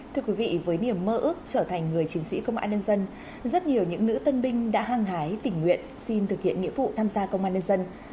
thưa quý vị với niềm mơ ước trở thành người chiến sĩ công an nhân dân rất nhiều những nữ tân binh đã hăng hái tình nguyện xin thực hiện nghĩa vụ tham gia công an nhân dân